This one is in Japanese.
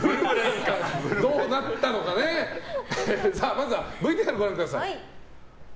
まずはＶＴＲご覧ください。